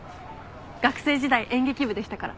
学生時代演劇部でしたから。